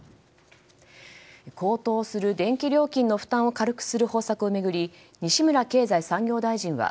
高騰する電気料金を軽くする方策を巡り西村康稔経済産業大臣は